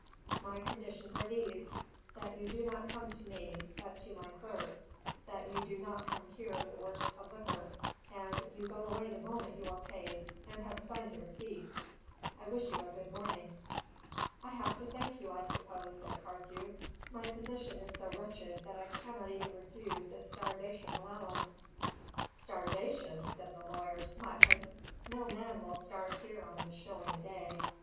My conditions are these: that you do not come to me, but to my clerk; that you do not come here the worse of liquor; and you go away the moment you are paid and have signed a receipt. I wish you a good morning." "I have to thank you, I suppose," said Carthew. "My position is so wretched that I cannot even refuse this starvation allowance." "Starvation!" said the lawyer, smiling. "No man will starve here on a shilling a day.